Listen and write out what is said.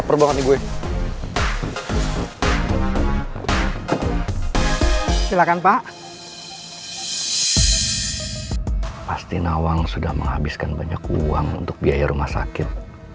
perbuatan ibunya pasti nawang sudah menghabiskan banyak uang untuk biaya rumah sakit